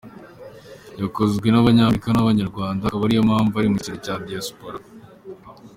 Yakozwe n’Abanyamerika n’Abanyarwanda, akaba ariyo mpamvu iri mu cyiciro cya diaspora.